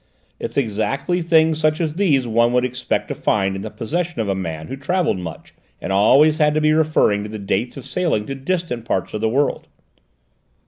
It's exactly things such as these one would expect to find in the possession of a man who travelled much, and always had to be referring to the dates of sailing to distant parts of the world."